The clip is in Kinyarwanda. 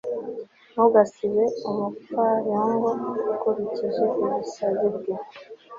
ntugasubize umupfayongo ukurikije ubusazi bwe